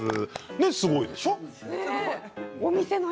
すごいでしょ？